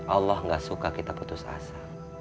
allah gak suka kita putus asa